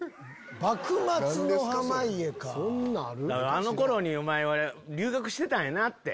あの頃にお前は留学してたんやなって。